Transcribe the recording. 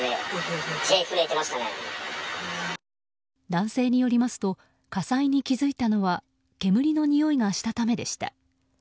男性によりますと火災に気づいたのは煙のにおいがしたためでした。